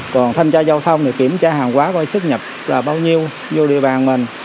còn thanh tra giao thông thì kiểm tra hàng quá coi sức nhập là bao nhiêu vô địa bàn mình